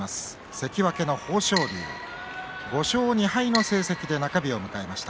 関脇豊昇龍５勝２敗の成績で中日を迎えました。